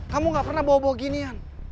kamu gak pernah bawa bawa ginian